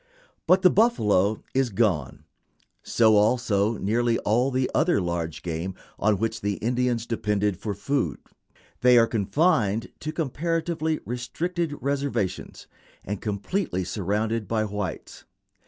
But the buffalo is gone; so also nearly all the other large game on which the Indians depended for food. They are confined to comparatively restricted reservations, and completely surrounded by whites.